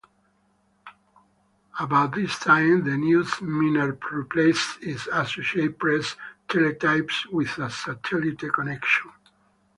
About this time, the News-Miner replaced its Associated Press teletypes with a satellite connection.